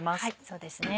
そうですね。